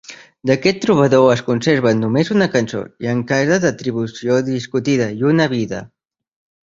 D'aquest trobador es conserven només una cançó, i encara d'atribució discutida, i una vida.